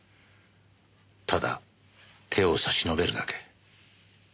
ただ手を差し伸べるだけ。